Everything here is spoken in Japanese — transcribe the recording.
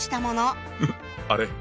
あれ？